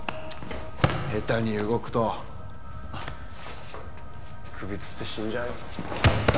下手に動くと首吊って死んじゃうよ？